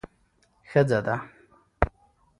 ښځه ده.